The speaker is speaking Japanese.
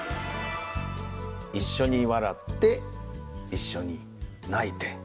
「一緒に笑って一緒に泣いて」。